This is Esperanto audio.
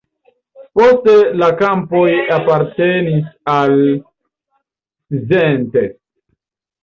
Poste la kampoj apartenis al Szentes.